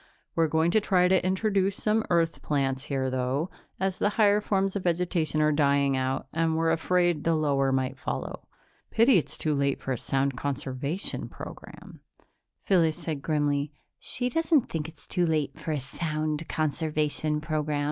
We're going to try to introduce some Earth plants here, though, as the higher forms of vegetation are dying out and we're afraid the lower might follow. Pity it's too late for a sound conservation program." Phyllis said grimly, "She doesn't think it's too late for a sound conservation program.